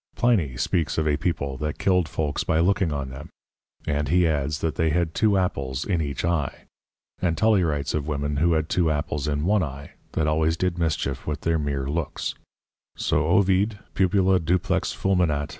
Pliny speaks of a People that killed folks by looking on them; and he adds, that they had two Apples in each Eye: and Tully writes of women who had two Apples in one Eye that always did mischief with their meer looks; so Ovid, _Pupula duplex fulminat.